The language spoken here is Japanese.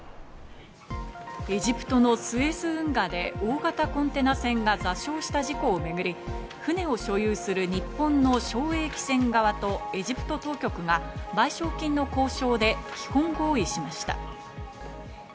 エジプトのスエズ運河で大型コンテナ船が座礁した事故をめぐり船を所有する日本の正栄汽船側とエジプト当局が賠償金の交渉で基本合意しました。